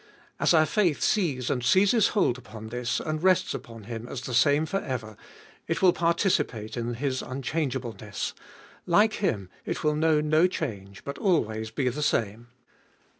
As our faith sees and seizes hold upon this, and rests upon Him as the same for ever, it will participate in His unchangeableness ; like Him it will know no change, but always be the same.